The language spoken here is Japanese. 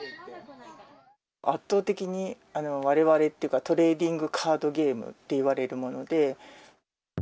圧倒的に、われわれっていうか、トレーディングカードゲームっていわれるもので。